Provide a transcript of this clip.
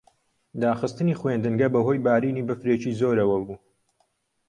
داخستنی خوێندنگە بەهۆی بارینی بەفرێکی زۆرەوە بوو.